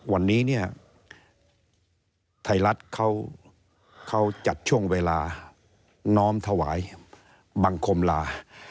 วันนี้เนี่ยไทยรัฐเขาจัดช่วงเวลาน้อมถวายบังคมลา